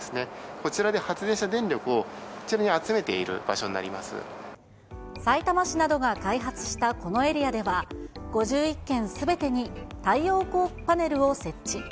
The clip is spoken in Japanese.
こちらで発電した電力をこちらにさいたま市などが開発したこのエリアでは、５１軒すべてに太陽光パネルを設置。